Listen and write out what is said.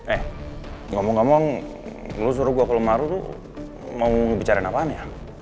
eh ngomong ngomong lo suruh gue ke lemaru tuh mau bicarain apaan ya